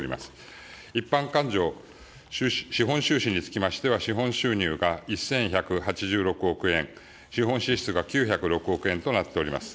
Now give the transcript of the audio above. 一般勘定資本収支につきましては、資本収入が１１８６億円、資本支出が９０６億円となっております。